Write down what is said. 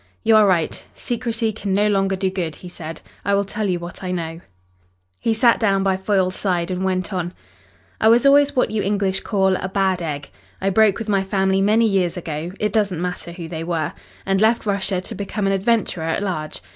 "You are right. Secrecy can no longer do good," he said. "I will tell you what I know." He sat down by Foyle's side and went on: "I was always what you English call a bad egg. I broke with my family many years ago it doesn't matter who they were and left Russia to become an adventurer at large.